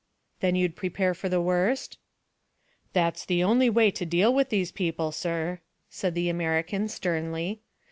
"Then you'd prepare for the worst?" "That's the only way to deal with these people, sir," said the American sternly.